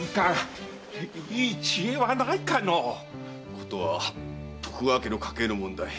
ことは徳川家の家系の問題。